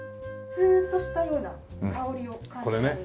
ツーンとしたような香りを感じられるかと。